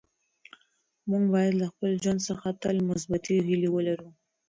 موږ باید له خپل ژوند څخه تل مثبتې هیلې ولرو.